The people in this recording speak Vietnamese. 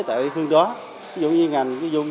tại hương đó ví dụ như ngành dùng